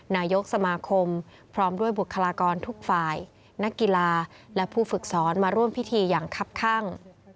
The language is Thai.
นายกสมาคมพร้อมด้วยบุคลากรทุกฝ่ายนักกีฬาและผู้ฝึกสอนมาร่วมพิธีอย่างคับข้าง